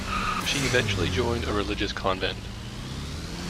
She eventually joined a religious convent.